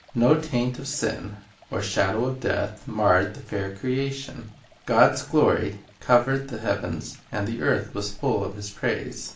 No taint of sin, or shadow of death, marred the fair creation. God's glory "covered the heavens, and the earth was full of His praise."